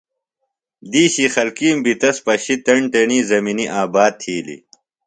دِیشی خلکِیم بیۡ تس پشیۡ تیݨ تیݨی زمِنی آباد تِھیلیۡ۔